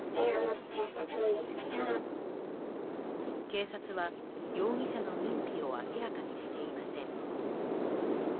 警察は、容疑者の認否を明らかにしていません。